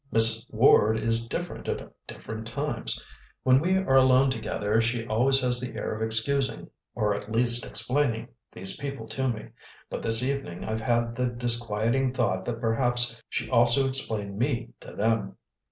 Miss Ward is different at different times. When we are alone together she always has the air of excusing, or at least explaining, these people to me, but this evening I've had the disquieting thought that perhaps she also explained me to them."